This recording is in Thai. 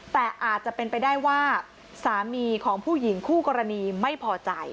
แต่อาจจะเป็นไปได้ว่าสามีของผู้หญิงคู่กรณีไม่พอใจ